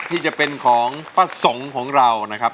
ที่จะเป็นของพระสงฆ์ของเรานะครับ